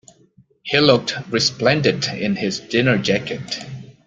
He looked resplendent in his dinner jacket